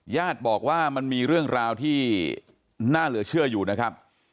ญาติบอกว่ามันมีเรื่องราวที่น่าเหลือเชื่ออยู่นะครับ